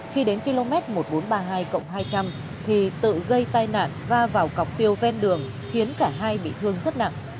khi đến km một nghìn bốn trăm ba mươi hai hai trăm linh thì tự gây tai nạn va vào cọc tiêu ven đường khiến cả hai bị thương rất nặng